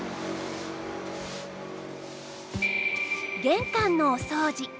玄関のお掃除。